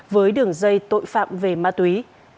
với đường dây tội phạm về ma túy